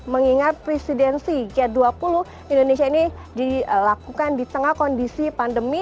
mengingat presidensi g dua puluh indonesia ini dilakukan di tengah kondisi pandemi